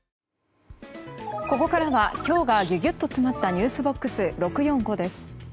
ここからは今日がギュギュッと詰まったｎｅｗｓＢＯＸ６４５です。